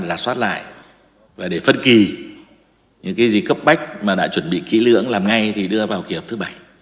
giả soát lại và để phân kỳ những cái gì cấp bách mà đã chuẩn bị kỹ lưỡng làm ngay thì đưa vào kỳ họp thứ bảy